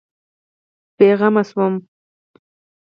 بېغمه شوم.